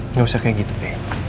nggak usah kayak gitu